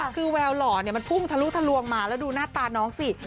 คือแววหล่อเนี่ยมันพุ่งทะลุทะลวงมาแล้วดูหน้าตาน้องสิ